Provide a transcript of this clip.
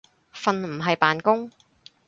瞓唔係扮工